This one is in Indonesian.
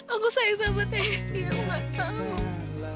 aku sayang sama terry aku gak tahu